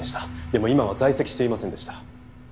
でも今は在籍していませんでした。